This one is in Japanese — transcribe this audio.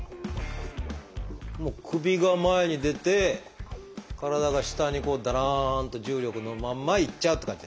首が前に出て体が下にこうだらんと重力のまんまいっちゃうって感じですかね。